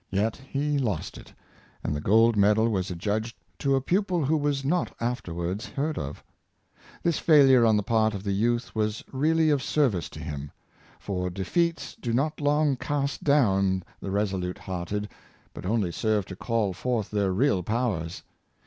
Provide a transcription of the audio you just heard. Yet he lost it, and the gold medal was adjudged to a pupil who was not afterwards heard of This fail ure on the part of the youth was really of service to him; for defeats do not long cast down the resolute hearted, but only serve to call forth their real powers.